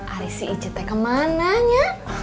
ari si icet teh kemana nyet